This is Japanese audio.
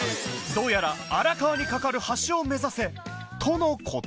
どうやら荒川に架かる橋を目指せとのこと